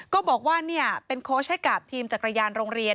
ก็บอกว่าเป็นโค้ชให้กับทีมจักรยานโรงเรียน